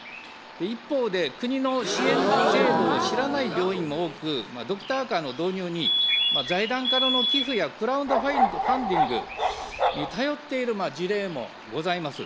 一方で、国の支援制度を知らない病院も多く、ドクターカーの導入に財団からの寄付やクラウドファンディングに頼っている事例もございます。